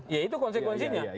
ya itu konsekuensinya